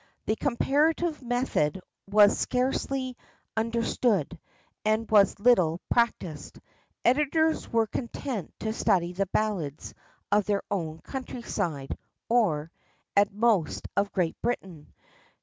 The Comparative Method was scarcely understood, and was little practised. Editors were content to study the ballads of their own countryside, or, at most, of Great Britain.